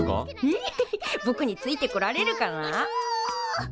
エッヘヘぼくについてこられるかな？